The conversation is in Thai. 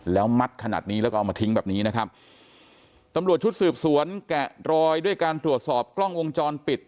แล้วมัดขนาดนี้แล้วก็เอามาทิ้งแบบนี้นะครับตำรวจชุดสืบสวนแกะรอยด้วยการตรวจสอบกล้องวงจรปิด